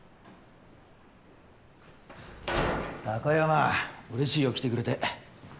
貴山うれしいよ来てくれて。